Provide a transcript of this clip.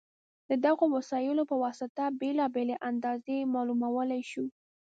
د دغو وسایلو په واسطه بېلابېلې اندازې معلومولی شو.